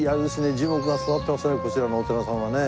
樹木が育ってますねこちらのお寺さんはね。